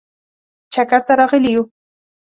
چکر ته راغلي یو.